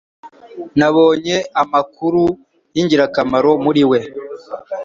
Nabonye amakuru yingirakamaro muri we.